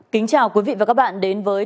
kính chào quý vị và các bạn đến với